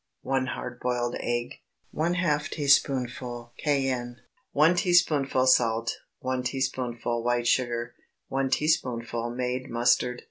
1 hard boiled egg. ½ teaspoonful cayenne. 1 teaspoonful salt. 1 teaspoonful white sugar. 1 teaspoonful made mustard.